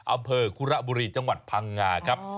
อำเภอคุระบุรีจังหวัดพังงาครับ